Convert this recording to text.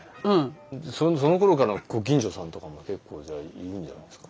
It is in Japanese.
そのころからのご近所さんとかも結構じゃあいるんじゃないすか？